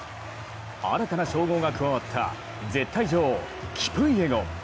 新たな称号が加わった絶対女王キプイエゴン。